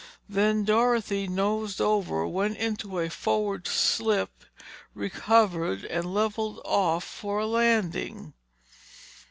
Then Dorothy nosed over, went into a forward slip, recovered and leveled off for a landing.